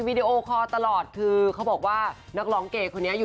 ไปหลอกครบกับนางเอกคนเนิม